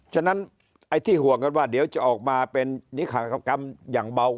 ฉะนั้นไอ้ที่ห่วงกันว่าเดี๋ยวจะออกมาเป็นนิขากรรมอย่างเบา